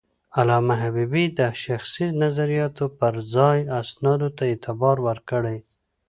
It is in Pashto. علامه حبيبي د شخصي نظریاتو پر ځای اسنادو ته اعتبار ورکړی.